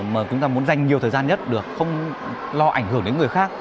mà chúng ta muốn dành nhiều thời gian nhất được không lo ảnh hưởng đến người khác